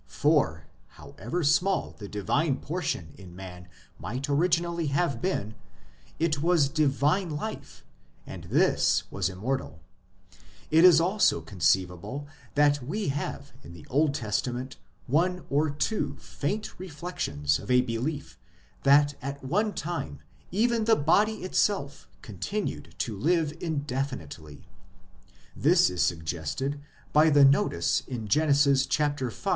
For, however small the divine portion in man might originally have been, it was divine life, and this was immortal. It is also con ceivable that we have in the Old Testament one or two faint reflections of a belief that at one time even the body itself continued to live indefinitely ; this is suggested by the notice in Gen. v.